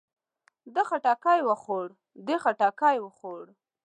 ده خټکی وخوړ. دې خټکی وخوړ.